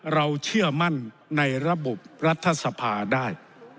เชื่อมั่นในระบบรัฐสภาได้